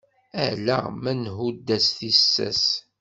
Ala ma nhudd-as tissas.